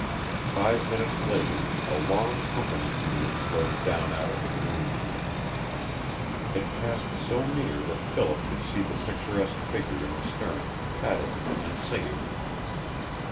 Five minutes later a long company canoe floated down out of the gloom. It passed so near that Philip could see the picturesque figure in the stern paddling and singing.